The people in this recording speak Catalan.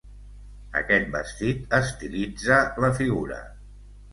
Aquest vestit estilitza la figura.